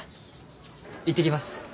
行ってきます。